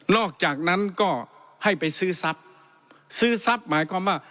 อกจากนั้นก็ให้ไปซื้อทรัพย์ซื้อทรัพย์หมายความว่า